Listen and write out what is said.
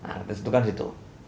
nah kita situ kan situ